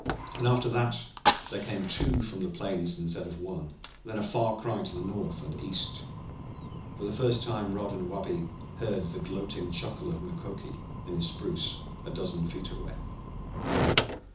And after that there came two from the plains instead of one, and then a far cry to the north and east. For the first time Rod and Wabi heard the gloating chuckle of Mukoki in his spruce a dozen feet away.